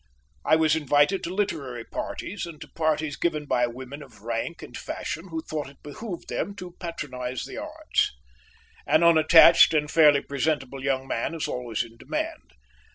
I was invited to literary parties and to parties given by women of rank and fashion who thought it behoved them to patronise the arts. An unattached and fairly presentable young man is always in demand.